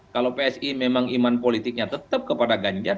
kalau psi memang iman politiknya tetap kepada ganjar